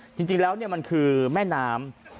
จริงแล้วมันคือแม่น้ำ